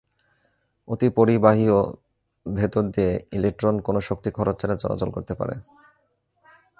অতি পরিবাহীয় ভেতর দিয়ে ইলেকট্রন কোনো শক্তি খরচ ছাড়াই চলাচল করতে পারে।